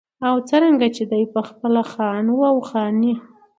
او څرنګه چې دى پخپله خان و او خاني